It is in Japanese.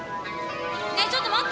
ねえちょっと待って！